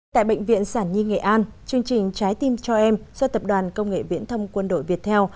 tại bệnh viện sản nhi nghệ an chương trình trái tim cho em do tập đoàn công nghệ viễn thông quân đội việt theo